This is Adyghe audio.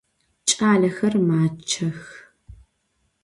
Ç'alexer maççex.